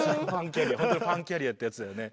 本当にファンキャリアってやつだよね。